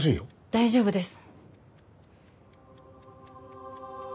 大丈夫です。